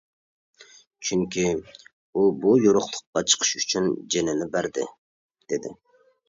چۈنكى ئۇ يورۇقلۇققا چىقىش ئۈچۈن جېنىنى بەردى. دېدى.